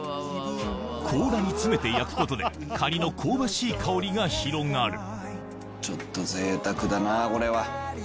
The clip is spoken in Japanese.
甲羅に詰めて焼くことでカニの香ばしい香りが広がるちょっと贅沢だなこれは。